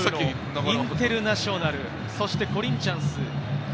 インテルナシオナル、そしてコリンチャンス。